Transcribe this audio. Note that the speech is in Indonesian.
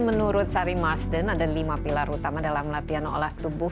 menurut sari masden ada lima pilar utama dalam latihan olah tubuh